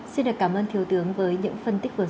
xin được cảm ơn thiếu tướng với những phân tích vừa rồi